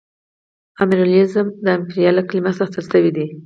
امپریالیزم د امپریال له کلمې څخه اخیستل شوې ده